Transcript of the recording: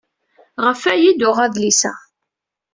Ɣef waya ay d-uɣeɣ adlis-a.